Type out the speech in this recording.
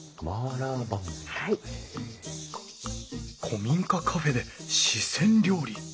古民家カフェで四川料理。